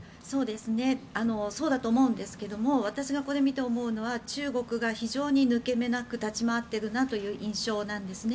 そうだと思うんですが私がこれを見て思うのが中国が非常に抜け目なく立ち回っているなという印象なんですね。